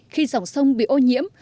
khi dòng sông bị ô nhiễm